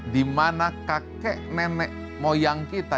dimana kakek nenek moyang kita